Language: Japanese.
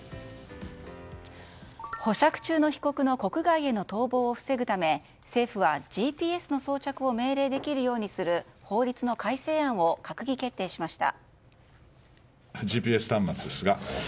保釈中の被告の国外への逃亡を防ぐため政府はＧＰＳの装着を命令できるようにする法律の改正案を閣議決定しました。